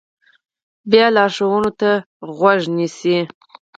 بیا لارښوونو ته غوږ نیسي.